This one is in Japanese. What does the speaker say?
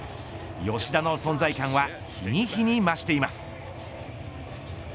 吉田の存在感は日に日に増しています。